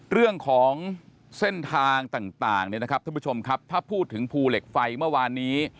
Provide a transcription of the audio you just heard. เรื่องของเส้นทางต่างเนี่ยนะครับท่านผู้ชมครับถ้าพูดถึงภูเหล็กไฟเมื่อวานนี้